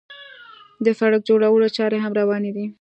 د سړک جوړولو چارې هم روانې دي.